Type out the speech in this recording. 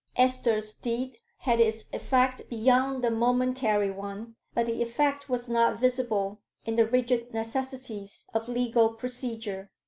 Esther's deed had its effect beyond the momentary one, but the effect was not visible in the rigid necessities of legal procedure.